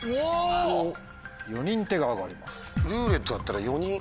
４人手が挙がりました。